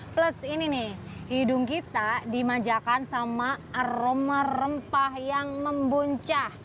plus ini nih hidung kita dimanjakan sama aroma rempah yang membuncah